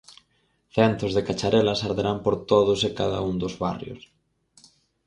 Centos de cacharelas arderán por todos e cada un dos barrios.